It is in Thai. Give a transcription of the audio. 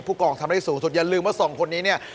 ผู้กองทำได้สูงสุดอย่าลืมว่าสองคนนี้